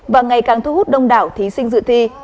và ngày càng thu hút đông đảo thí sinh dự thi